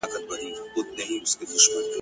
کمزورۍ! ستا نوم ښځه ده